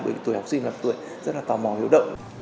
bởi vì tuổi học sinh là tuổi rất là tò mò hiếu động